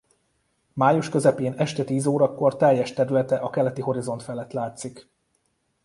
Május közepén este tíz órakor teljes területe a keleti horizont felett látszik.